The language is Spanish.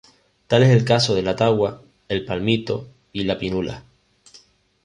Tal es el caso de la tagua, el palmito y la Pinula.